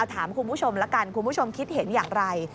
ถามคุณผู้ชมแล้วกันคุณผู้ชมคิดเห็นอย่างไร